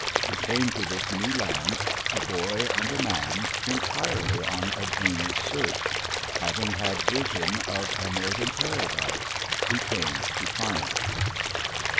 We came to this new land, a boy and a man, entirely on a dreamer's search; having had vision of a Northern Paradise, we came to find it.